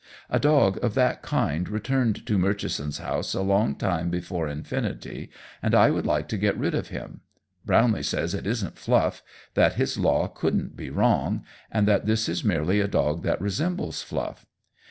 A dog of that kind returned to Murchison's house a long time before infinity, and I would like to get rid of him. Brownlee says it isn't Fluff; that his law couldn't be wrong, and that this is merely a dog that resembles Fluff.